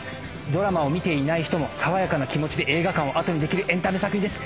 ドラマを見ていない人も爽やかな気持ちで映画館を後にできるエンタメ作品です